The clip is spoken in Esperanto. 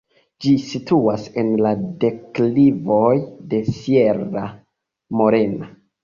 Ĝi situas en la deklivoj de Sierra Morena.